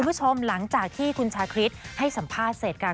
คุณผู้ชมหลังจากที่คุณชาคริสให้สัมภาษณ์เสร็จค่ะ